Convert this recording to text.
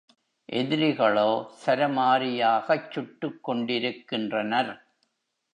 எதிரிகளோ சரமாரியாகச் சுட்டுக் கொண்டிருக் கின்றனர்.